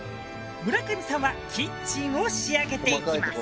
村上さんはキッチンを仕上げていきます。